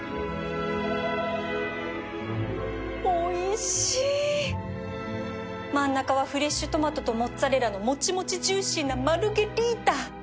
おいしい真ん中はフレッシュトマトとモッツァレッラのもちもちジューシーなマルゲリータ